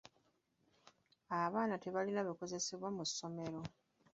Abaana tebalina bikozesebwa mu ssomero.